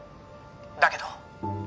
だけど